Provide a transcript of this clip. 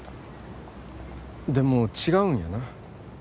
でも違うんやな。